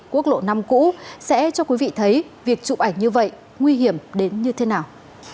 quốc lộ năm cũ sẽ cho quý vị thấy việc chụp ảnh như vậy nguy hiểm đến như thế nào